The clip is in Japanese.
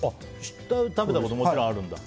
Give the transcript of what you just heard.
食べたことはもちろんあるんだ。